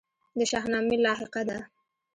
د شاهنامې لاحقه ده.